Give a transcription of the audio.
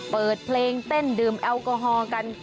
เปิดเพลงเต้นดื่มแอลกอฮอล์กัน